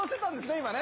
今ね。